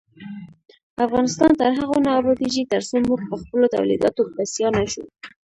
افغانستان تر هغو نه ابادیږي، ترڅو موږ پخپلو تولیداتو بسیا نشو.